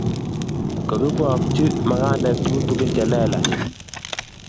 Kokibokchi magandek tutuinik che lelach